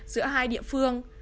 giữa hai địa phương